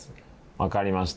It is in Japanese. わかりました。